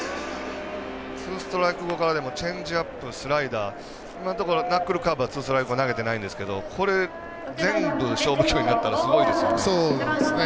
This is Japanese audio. ツーストライク後からでもチェンジアップ、スライダー今のところナックルカーブはツーストライク後は投げてないんですけど、これ全部勝負球になったらすごいですよね。